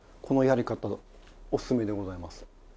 このやり方おすすめでございます。